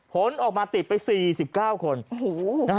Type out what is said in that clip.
ผลออกมาติดไป๔๙คน